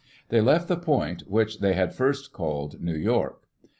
They left the point, which they had first called New York.